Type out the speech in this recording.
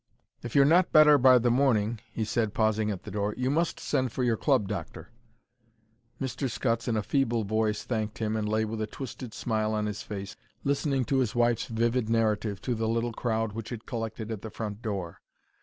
"If you're not better by the morning," he said, pausing at the door, "you must send for your club doctor." Mr. Scutts, in a feeble voice, thanked him, and lay with a twisted smile on his face listening to his wife's vivid narrative to the little crowd which had collected at the front door.